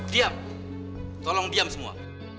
diam tolong diam semua